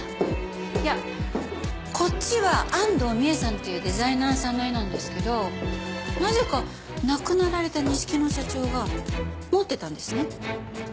いやこっちは安藤美絵さんというデザイナーさんの絵なんですけどなぜか亡くなられた錦野社長が持ってたんですね。